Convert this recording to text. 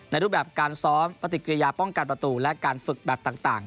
รูปแบบการซ้อมปฏิกิริยาป้องกันประตูและการฝึกแบบต่าง